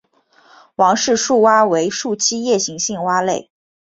王氏树蛙为树栖夜行性蛙类。